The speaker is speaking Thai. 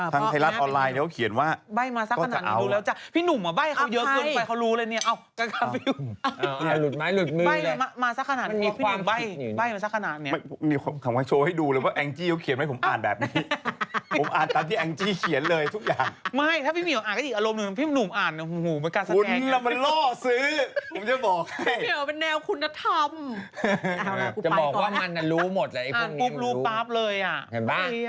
ทางไทรัสออนไลน์เขาเขียนว่าก็จะเอาปิ้นุ่มอะเบ่ยเขาเยอะกลุ่นไปเขารู้เลยเนี่ย